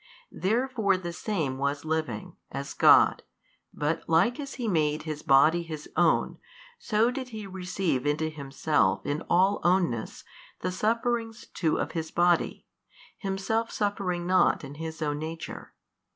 Therefore the Same was living, as God, but like as He made His Body His own, so did He receive into Himself in all ownness the sufferings too of His Body, Himself suffering nought in His own Nature.